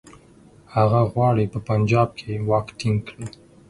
هغه غواړي په پنجاب کې واک ټینګ کړي.